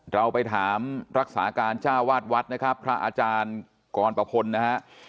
เราไปถามรักษาการจ้าวาดวัดนะครับพระอาจารย์กรประพลนะฮะ